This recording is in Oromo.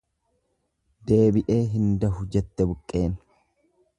Deebi'ee hin dahu jette buqqeen.